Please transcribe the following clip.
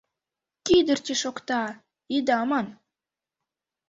«Кӱдырчӧ шокта!» ида ман —